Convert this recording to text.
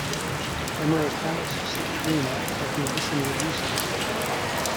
"Hemerocallis citrina" has medicinal uses.